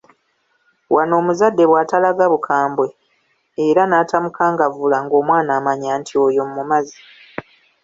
Wano omuzadde bw'atalaga bukambwe era natamukangavvula ng'omwana amanya nti oyo "amumaze"